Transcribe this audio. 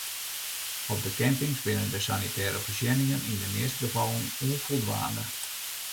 Op de campings binne de sanitêre foarsjenningen yn de measte gefallen ûnfoldwaande.